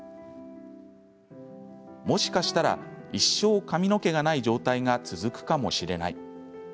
もしかしたら一生髪の毛がない状態が続くかもしれない。